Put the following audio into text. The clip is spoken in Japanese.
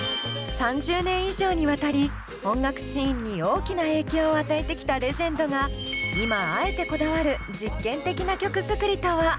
３０年以上にわたり音楽シーンに大きな影響を与えてきたレジェンドが今あえてこだわる実験的な曲作りとは？